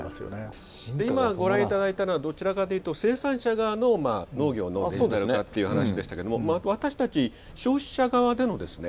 今ご覧いただいたのはどちらかというと生産者側の農業のデジタル化っていう話でしたけれども私たち消費者側でのですね